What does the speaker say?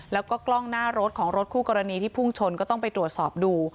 แล้วก็กล้องหน้ารถของรถคู่กรณีที่พุ่งชนก็ต้องไปตรวจสอบดู